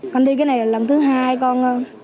con đi cái này lần thứ hai con